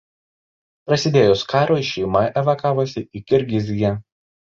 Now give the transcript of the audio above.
Prasidėjus karui šeima evakavosi į Kirgiziją.